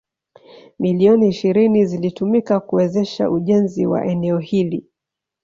Milioni ishirini zilitumika kuwezesha ujenzi wa eneo hili.